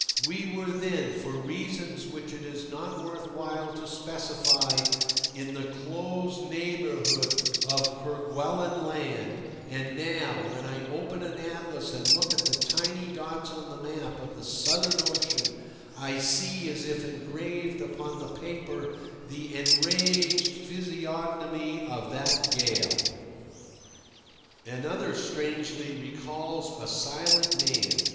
We were then, for reasons which it is not worth while to specify, in the close neighbourhood of Kerguelen Land; and now, when I open an atlas and look at the tiny dots on the map of the Southern Ocean, I see as if engraved upon the paper the enraged physiognomy of that gale. Another, strangely, recalls a silent man.